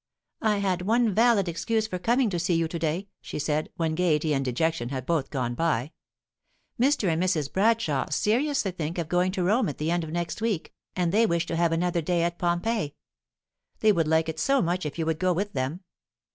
"I had one valid excuse for coming to see you to day," she said, when gaiety and dejection had both gone by. "Mr. and Mrs. Bradshaw seriously think of going to Rome at the end of next week, and they wish to have another day at Pompeii. They would like it so much if you would go with them.